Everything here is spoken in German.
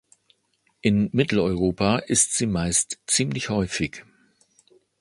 In Mitteleuropa ist sie meist ziemlich häufig.